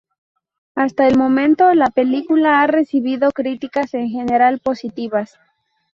Hasta el momento, la película ha recibido críticas en general positivas.